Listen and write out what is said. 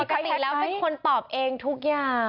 ปกติแล้วเป็นคนตอบเองทุกอย่าง